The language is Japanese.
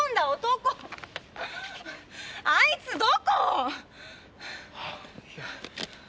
あいつどこ？